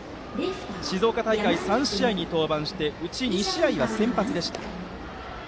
静岡大会３試合に登板してそのうち２試合は先発でした。